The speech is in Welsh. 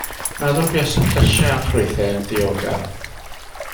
Meddwl buasai llysiau a ffrwythau yn ddiogel.